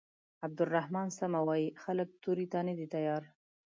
عبدالرحمن سمه وايي خلک تورې ته نه دي تيار.